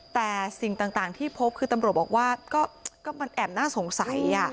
แต่สิ่งต่างที่พบคือตำรวจบอกว่าก็มันแอบน่าสงสัย